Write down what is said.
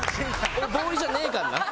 俺ボーイじゃねえからな。